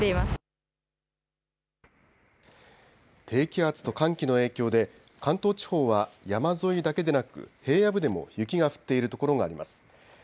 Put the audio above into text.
低気圧と寒気の影響で関東地方は山沿いだけでなく平野部でも雪が降っている所があります。